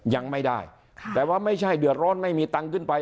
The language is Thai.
ยังไม่ได้แต่ว่าไม่ใช่เดือดร้อนไม่มีตังค์ขึ้นไป